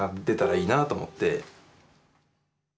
出たらいいなと思って。